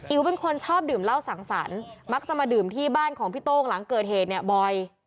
เป็นคนชอบดื่มเหล้าสั่งสรรค์มักจะมาดื่มที่บ้านของพี่โต้งหลังเกิดเหตุเนี่ยบ่อย